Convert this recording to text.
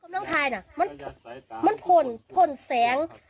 น้องไทน่ะมันผ่นผ่นแสง